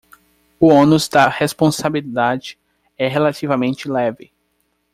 O ônus da responsabilidade é relativamente leve